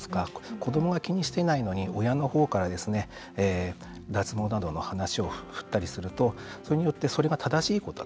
子どもが気にしてないのに親の方から脱毛などの話を振ったりするとそれによってそれが正しいことだと。